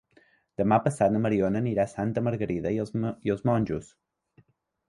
Demà passat na Mariona anirà a Santa Margarida i els Monjos.